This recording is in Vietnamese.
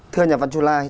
thưa nhà văn chu lai